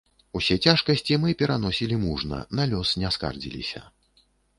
Усе цяжкасці мы пераносілі мужна, на лёс не скардзіліся.